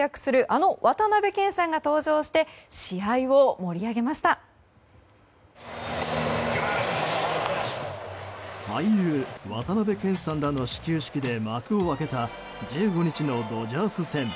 俳優・渡辺謙さんらの始球式で幕を開けた１５日のドジャース戦。